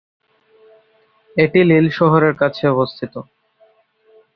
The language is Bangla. এটি লিল শহরের কাছে অবস্থিত।